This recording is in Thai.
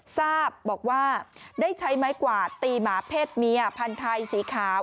ทราบบอกว่าได้ใช้ไม้กวาดตีหมาเพศเมียพันธุ์ไทยสีขาว